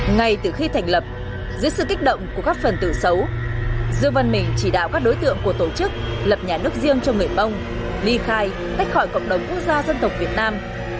ngay từ khi thành lập dưới sự kích động của các phần tử xấu dương văn mình chỉ đạo các đối tượng của tổ chức lập nhà nước riêng cho người mông ly khai tách khỏi cộng đồng quốc gia dân tộc việt nam